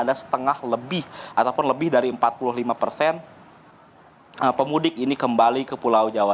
ada setengah lebih ataupun lebih dari empat puluh lima persen pemudik ini kembali ke pulau jawa